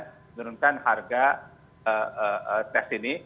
kita harus mengurangkan harga tes ini